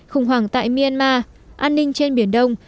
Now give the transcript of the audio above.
khủng hoảng tại myanmar an ninh trên biển đông